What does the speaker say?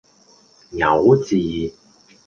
牛治